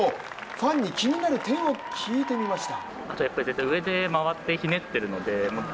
ファンに気になる点を聞いてみました。